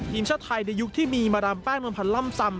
ทีมชาติไทยในยุคที่มีมาดามแป้งนวลพันธ์ล่ำซำ